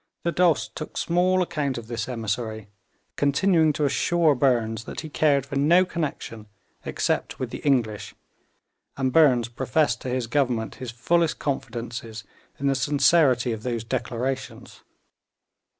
The Dost took small account of this emissary, continuing to assure Burnes that he cared for no connection except with the English, and Burnes professed to his Government his fullest confidences in the sincerity of those declarations.